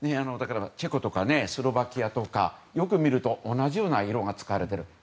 だからチェコとかスロバキアとかよく見ると同じような色が使われている。